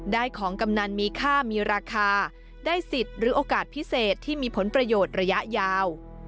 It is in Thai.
ได้ของกำนันมีค่ามีราคาได้สิทธิ์หรือโอกาสพิเศษที่มีผลประโยชน์ระยะยาว